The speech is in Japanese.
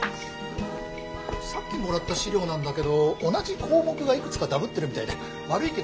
さっきもらった資料なんだけど同じ項目がいくつかだぶってるみたいで悪いけど。